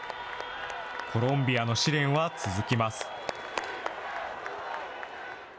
コロンビアの試練は続きます。